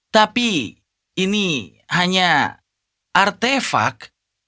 tapi ini hanya artefak